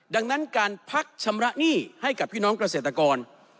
ดังนั้นการพักชำระหนี้ให้กับพี่น้องเกษตรกร